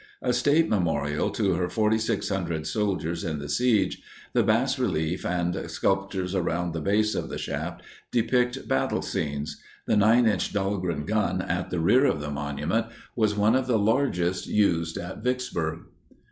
A State memorial to her 4,600 soldiers in the siege, the bas relief and sculptures around the base of the shaft depict battle scenes. The 9 inch Dahlgren gun at the rear of the monument was one of the largest used at Vicksburg.